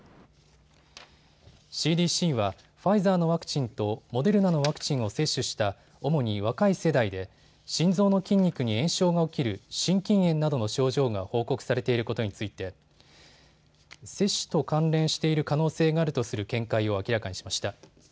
ＣＤＣはファイザーのワクチンとモデルナのワクチンを接種した主に若い世代で心臓の筋肉に炎症が起きる心筋炎などの症状が報告されていることについて接種と関連している可能性があるとする見解を明らかにしました。